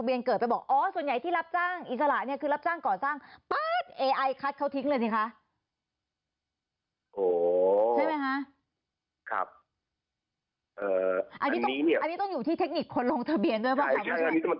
อันนี้อยู่ที่เทคนิคคนลงทะเบียนก็เปล่านะครับ